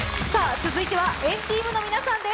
続いては＆ＴＥＡＭの皆さんです